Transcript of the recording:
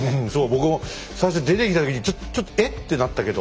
僕も最初出てきた時にちょっと「えっ？」ってなったけど。